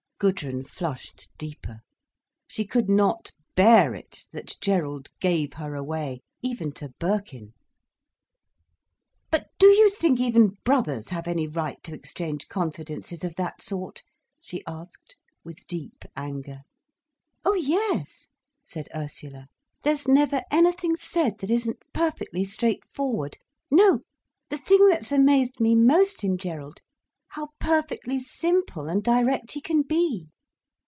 Gudrun flushed deeper. She could not bear it that Gerald gave her away—even to Birkin. "But do you think even brothers have any right to exchange confidences of that sort?" she asked, with deep anger. "Oh yes," said Ursula. "There's never anything said that isn't perfectly straightforward. No, the thing that's amazed me most in Gerald—how perfectly simple and direct he can be!